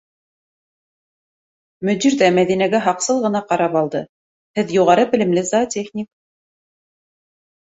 - Мөдир ҙә Мәҙинәгә һаҡсыл ғына ҡарап алды. - һеҙ юғары белемле зоотехник.